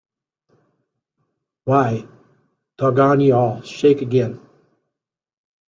Why, doggone you all, shake again.